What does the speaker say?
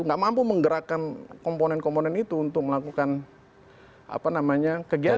nggak mampu menggerakkan komponen komponen itu untuk melakukan kegiatan